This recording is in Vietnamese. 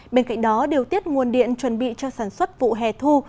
bên cạnh đó điều tiết nguồn điện chuẩn bị cho sản xuất vụ hè thu